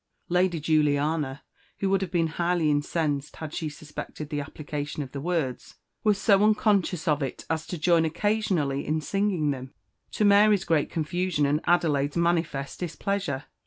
Lady Juliana, who would have been highly incensed had she suspected the application of the words, was so unconscious of it as to join occasionally in singing them, to Mary's great confusion and Adelaide's manifest displeasure.